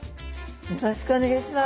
よろしくお願いします。